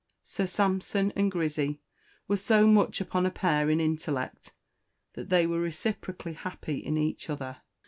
Sir Sampson and Grizzy were so much upon a pair in intellect, that they were reciprocally happy in each other.